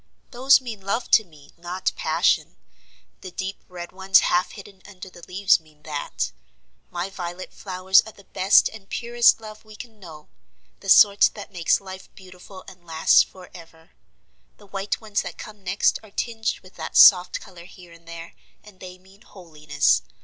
"Those mean love to me, not passion: the deep red ones half hidden under the leaves mean that. My violet flowers are the best and purest love we can know: the sort that makes life beautiful and lasts for ever. The white ones that come next are tinged with that soft color here and there, and they mean holiness.